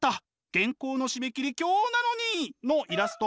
原稿の締め切り今日なのに！」のイラスト。